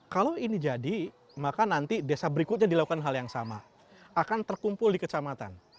kalau ini jadi maka nanti desa berikutnya dilakukan hal yang sama akan terkumpul di kecamatan